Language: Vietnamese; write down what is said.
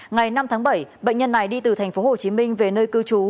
ngày năm tháng bảy bệnh nhân này đi từ thành phố hồ chí minh về nơi cư trú